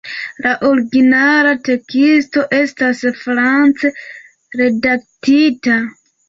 La originala teksto estas france redaktita.